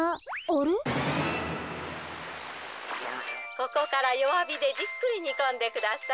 ここからよわびでじっくりにこんでください。